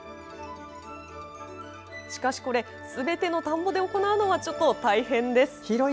しかしこれすべての田んぼで行うのはちょっと大変です。